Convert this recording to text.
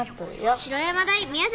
白山大宮崎